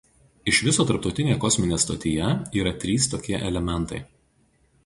Iš viso Tarptautinėje kosminėje stotyje yra trys tokie elementai.